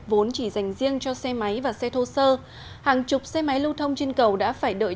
vốn chỉ dành riêng cho xe máy và xe thô sơ hàng chục xe máy lưu thông trên cầu đã phải đợi